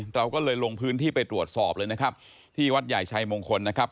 เราก็เลยลงพื้นที่ไปตรวจสอบเลยนะครับที่วัดใหญ่ชัยมงคลนะครับ